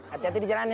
hati hati di jalannya